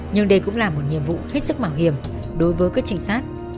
nhưng đây cũng là một nhiệm vụ hết sức mạo hiểm đối với các trinh sát